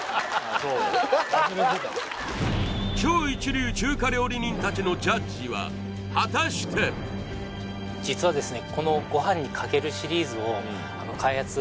そうだ忘れてた超一流中華料理人たちのジャッジは果たして実はですね